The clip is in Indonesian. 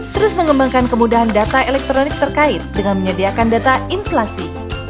terus mengembangkan kemudahan data elektronik terkait dengan menyediakan data inflasi